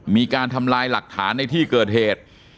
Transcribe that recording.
มีการทำลายหลักฐานในที่เกิดเหตุ